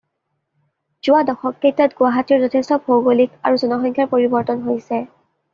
যোৱা দশককেইটাত গুৱাহাটীৰ যথেষ্ট ভৌগোলিক আৰু জনসংখ্যাৰ পৰিৱৰ্তন হৈছে।